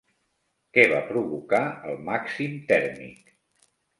Què va provocar el màxim tèrmic?